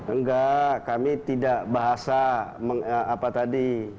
enggak kami tidak bahasa apa tadi